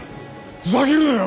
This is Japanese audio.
ふざけるなよ！